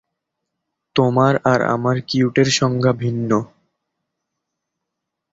তোমার আর আমার কিউটের সংজ্ঞা ভিন্ন।